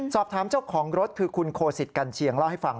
เจ้าของรถคือคุณโคสิตัญเชียงเล่าให้ฟัง